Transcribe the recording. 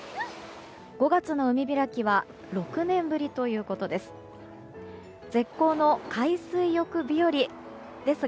５月の海開きは６年ぶりということです。